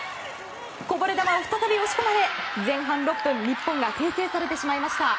こぼれ球を再び押し込まれ前半６分日本が先制されてしまいました。